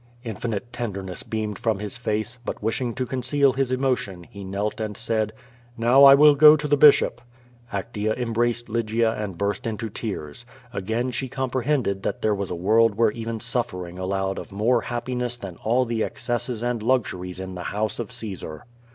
Infinite tenderness beamed from his face, but, wishing to conceal his emotion, he knelt and said: "Now I will go to the bishop." Actea embraced Lygia and burst into tears. Again she comprehended that there was a world where even suffering y3 QUO VADI8. allowed of more happiness than all the excesses and luxuries in the house of Caesar.